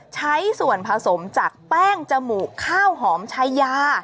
ใช้ส่วนผสมจากแป้งจมูกข้าวหอมชายา